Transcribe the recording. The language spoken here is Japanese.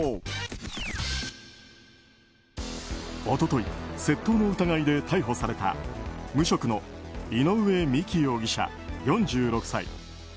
一昨日窃盗の疑いで逮捕された無職の井上美紀容疑者、４６歳。